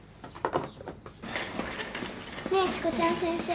ねえしこちゃん先生。